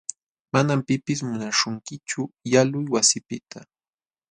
Manam pipis munaśhunkichu yalquy wasipiqta.